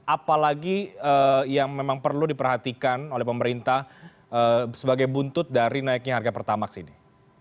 apalagi yang memang perlu diperhatikan oleh pemerintah sebagai buntut dari naiknya harga pertamax ini